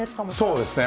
そうですね。